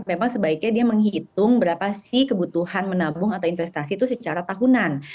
memang sebaiknya dia menghitung berapa sih kebutuhan menabung atau investasi itu secara tahunan